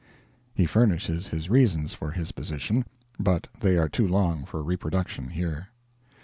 He furnishes his reasons for his position, but they are too long for reproduction here.